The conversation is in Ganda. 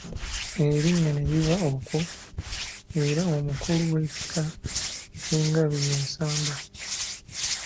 Erinnya ne liva okwo era omukulu w’ekika ky’engabi ye Nsamba.